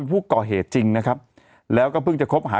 เป็นผู้เกาะเหตุจริงนะครับแล้วก็เพิ่งจะ